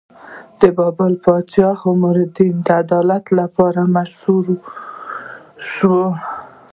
د بابل پاچا حموربي د عدالت لپاره مشهور شو.